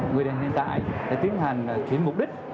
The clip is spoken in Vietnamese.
người đàn hiện tại tiến hành chuyển mục đích